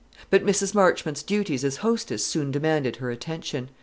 But Mrs. Marchmont's duties as hostess soon demanded her attention.